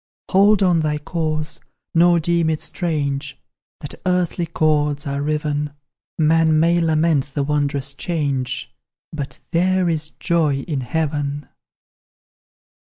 Hold on thy course, nor deem it strange That earthly cords are riven: Man may lament the wondrous change, But "there is joy in heaven!"